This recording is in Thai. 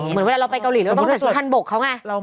เหมือนเวลาเราไปเกาหลีเราต้องใส่ชุดทันบกเขาไง